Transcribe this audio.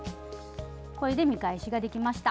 これで見返しができました。